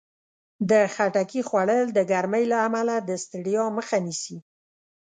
د خټکي خوړل د ګرمۍ له امله د ستړیا مخه نیسي.